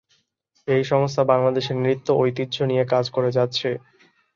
এই সংস্থা বাংলাদেশের নৃত্য ঐতিহ্য নিয়ে কাজ করে যাচ্ছে।